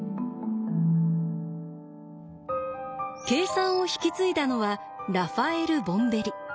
計算を引き継いだのはラファエル・ボンベリ。